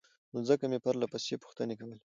نو ځکه مې پرلهپسې پوښتنې کولې